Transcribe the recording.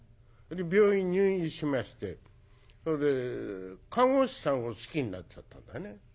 病院に入院しましてそれで看護師さんを好きになっちゃったんだね。